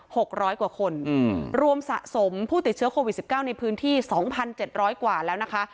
หกร้อยกว่าคนอืมรวมสะสมผู้ติดเชื้อโควิดสิบเก้าในพื้นที่สองพันเจ็ดร้อยกว่าแล้วนะคะ